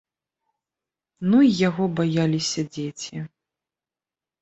Ну й яго баяліся дзеці!